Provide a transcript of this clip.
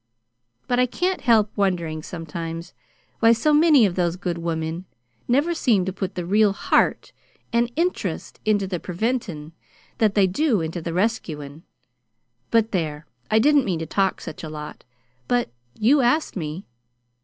But I can't help wonderin' sometimes why so many of those good women never seem to put the real HEART and INTEREST into the preventin' that they do into the rescuin'. But there! I didn't mean to talk such a lot. But you asked me."